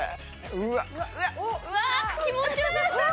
うわ気持ち良さそう！